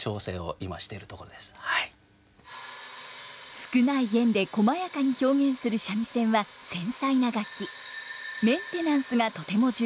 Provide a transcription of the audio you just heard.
少ない絃でこまやかに表現する三味線は繊細な楽器。